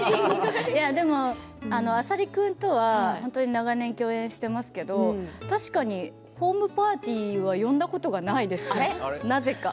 でも浅利君とは本当に長年、共演していますけど確かにホームパーティーは呼んだことがないです、なぜか。